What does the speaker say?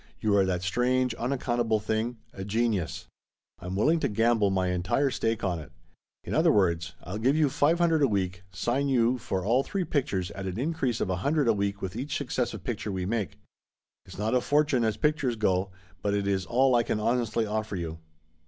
You are that strange, unaccountable thing, a genius. I'm willing to gamble my entire stake on it. In other words, I'll give you five hundred a week, sign you for all three pictures at an increase of a hundred a week with each successive picture we make. It's not a fortune as pictures go; but it is all I can honestly offer you."